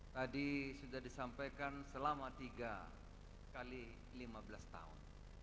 tadi sudah disampaikan selama tiga x lima belas tahun